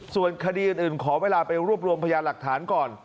ส่วนคดีอื่นขอเวลาไปรวบรวมพยานหลักฐานก่อน